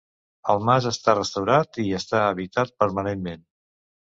El mas està restaurat i està habitat permanentment.